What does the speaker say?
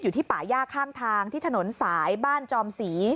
ที่ป่าย่าข้างทางที่ถนนสายบ้านจอมศรี